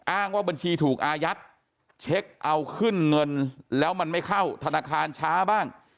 อ้างว่าบัญชีถูกอายัดเช็คเอาขึ้นเงินแล้วมันไม่เข้าธนาคารช้าบ้าง